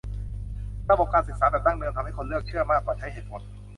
ระบบการศึกษาแบบดั้งเดิมทำให้คนเลือกเชื่อมากกว่าใช้เหตุผล